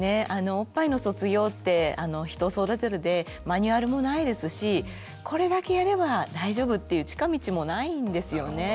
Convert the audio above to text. おっぱいの卒業って人それぞれでマニュアルもないですしこれだけやれば大丈夫っていう近道もないんですよね。